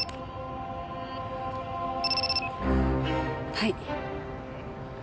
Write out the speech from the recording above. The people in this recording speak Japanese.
はい。